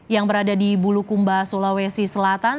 yang berada di bulukumba sulawesi selatan